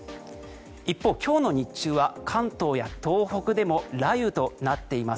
一方、今日の日中は関東や東北でも雷雨となっています。